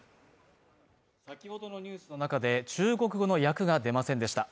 先ほどのニュースの中で中国語の訳が出ませんでした